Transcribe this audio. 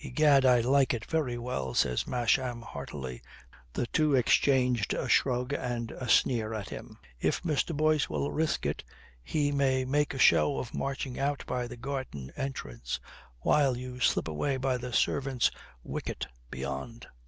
"Egad, I like it very well," says Masham heartily. The two exchanged a shrug and a sneer at him. "If Mr. Boyce will risk it, he may make a show of marching out by the garden entrance while you slip away by the servants' wicket beyond."